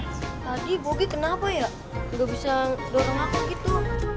tadi bugi kenapa ya gak bisa dorong aku gitu